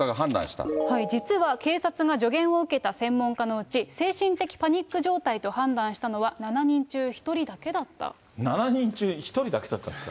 実は警察が助言を受けた専門家のうち、精神的パニック状態と判断したのは７人中１人だけだっ７人中１人だけだったんです